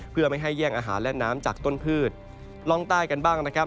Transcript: เพื่อไม่ให้แย่งอาหารและน้ำจากต้นพืชล่องใต้กันบ้างนะครับ